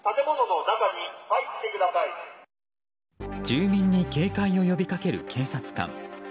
住民に警戒を呼びかける警察官。